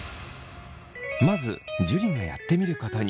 まず樹がやってみることに。